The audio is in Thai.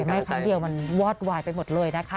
ไม่ครั้งเดียวมันวอดวายไปหมดเลยนะคะ